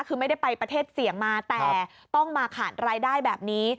คือไม่ได้ไปประเทศเสี่ยงมาแต่ต้องมาขาดรายได้แบบนี้